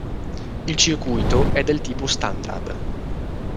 Il circuito è del tipo standard.